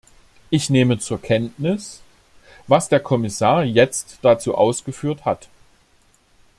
Ich nehme zur Kenntnis, was der Kommissar jetzt dazu ausgeführt hat.